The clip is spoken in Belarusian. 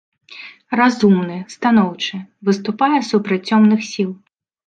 Разумны, станоўчы, выступае супраць цёмных сіл.